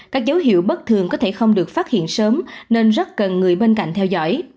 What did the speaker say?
các dấu hiệu bất thường có thể không được phát hiện sớm nên rất cần người bên cạnh theo dõi